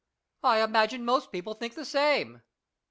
I imagine most people think the same.